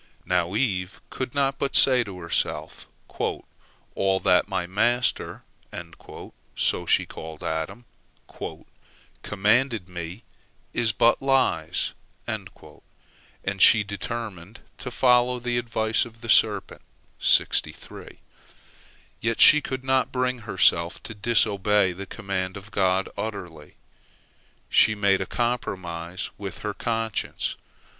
Now Eve could not but say to herself, "All that my master"—so she called Adam—"commanded me is but lies," and she determined to follow the advice of the serpent. Yet she could not bring herself to disobey the command of God utterly. She made a compromise with her conscience.